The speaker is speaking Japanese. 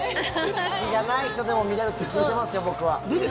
好きじゃない人でも見れるって聞いてますよ、僕は。